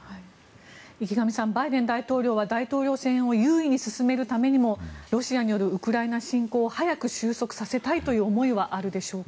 池上さんバイデン大統領は大統領選を優位に進めるためにもロシアによるウクライナ侵攻を早く収束させたいという思いはあるでしょうね。